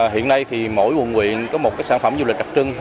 hiện nay thì mỗi quận quyện có một sản phẩm du lịch đặc trưng